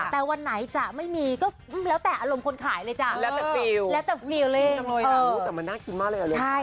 แต่วันไหนจะไม่มีก็คือแล้วแต่อารมณ์คนขายเลยจ้ะ